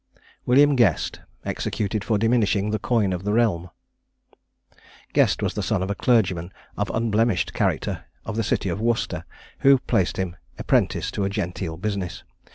WILLIAM GUEST. EXECUTED FOR DIMINISHING THE COIN OF THE REALM. Guest was the son of a clergyman of unblemished character, of the city of Worcester, who placed him apprentice to a genteel business.